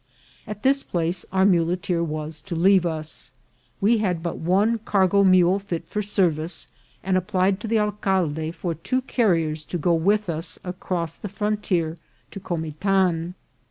At this place our muleteer was to leave us. We had but one cargo mule fit for service, and applied to the alcalde for two carriers to go with us across the frontier to Comitan.